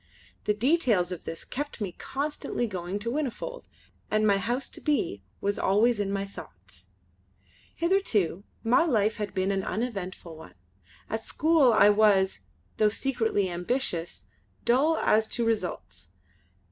The details of this kept me constantly going to Whinnyfold, and my house to be was always in my thoughts. Hitherto my life had been an uneventful one. At school I was, though secretly ambitious, dull as to results.